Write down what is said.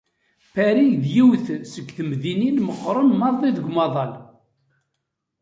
Paris d yiwet seg temdinin meqqren maḍi deg umaḍal.